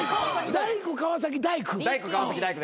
大工川崎大工？